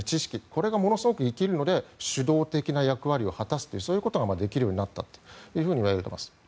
これがものすごく生きるので主導的な役割を果たすことができるようになったと言われています。